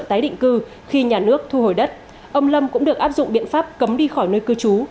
tái định cư khi nhà nước thu hồi đất ông lâm cũng được áp dụng biện pháp cấm đi khỏi nơi cư trú